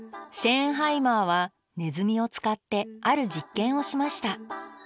シェーンハイマーはネズミを使ってある実験をしました。